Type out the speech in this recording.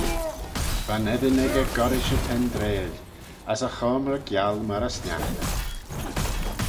Va'n eddin echey goll-rish y tendreil, as e choamrey gial myr y sniaghtey.